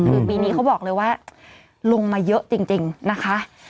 คือปีนี้เขาบอกเลยว่าลงมาเยอะจริงนะคะ